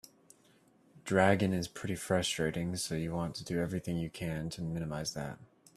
Dragon is pretty frustrating, so you want to do everything you can to minimize that.